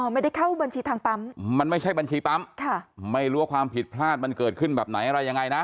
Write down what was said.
ไม่ได้เข้าบัญชีทางปั๊มมันไม่ใช่บัญชีปั๊มค่ะไม่รู้ว่าความผิดพลาดมันเกิดขึ้นแบบไหนอะไรยังไงนะ